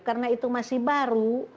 karena itu masih baru